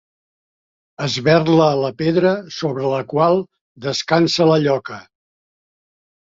Esberla la pedra sobre la qual descansa la lloca.